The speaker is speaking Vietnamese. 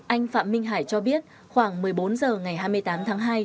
anh phạm minh hải cho biết khoảng một mươi bốn h ngày hai mươi tám tháng hai